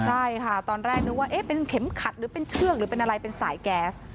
ใช่ค่ะตอนแรกนึกว่าเป็นเข็มขัดหรือเป็นเชือกหรือเป็นอะไรเป็นสายแก๊ส